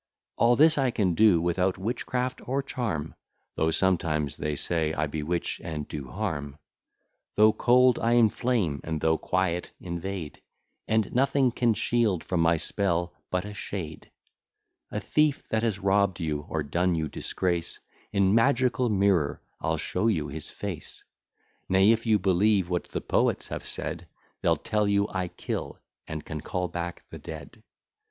All this I can do without witchcraft or charm, Though sometimes they say, I bewitch and do harm; Though cold, I inflame; and though quiet, invade: And nothing can shield from my spell but a shade. A thief that has robb'd you, or done you disgrace, In magical mirror, I'll show you his face: Nay, if you'll believe what the poets have said, They'll tell you I kill, and can call back the dead.